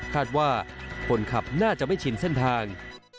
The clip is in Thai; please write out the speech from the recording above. คาดว่าคนขับน่าจะไม่ชินเส้นทาง